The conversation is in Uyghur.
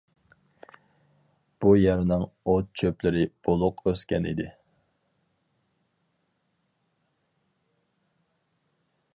بۇ يەرنىڭ ئوت-چۆپلىرى بولۇق ئۆسكەن ئىدى.